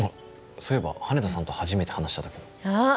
そういえば羽田さんと初めて話した時もあっ！